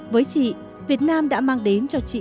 với chị việt nam đã mang đến cho chị